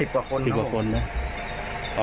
๑๐กว่าคนนะครับ